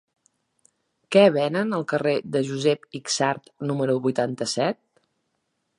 Què venen al carrer de Josep Yxart número vuitanta-set?